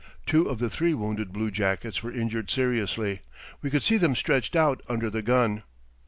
Two of the three wounded bluejackets were injured seriously. We could see them stretched out under the gun.